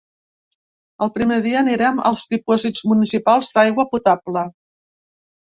El primer dia anirem als dipòsits municipals d’aigua potable.